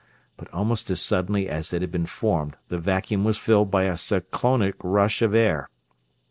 But almost as suddenly as it had been formed the vacuum was filled by a cyclonic rush of air.